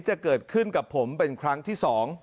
จะเกิดขึ้นกับผมเป็นครั้งที่๒